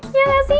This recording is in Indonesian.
ya gak sih